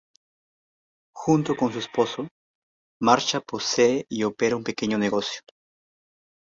Junto con su esposo, Marsha posee y opera un pequeño negocio.